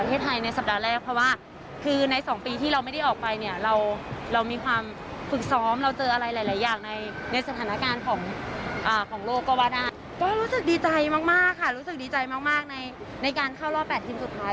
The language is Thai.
อย่างในสถานการณ์ของโลกกวาดารู้สึกดีใจมากในการเข้ารอบ๘ทีมสุดท้าย